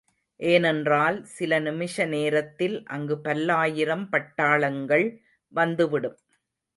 ஏனென்றால் சில நிமிஷ நேரத்தில் அங்கு பல்லாயிரம் பட்டாளங்கள் வந்துவிடும்.